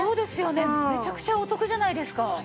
めちゃくちゃお得じゃないですか。